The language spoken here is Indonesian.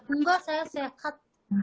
enggak saya sehat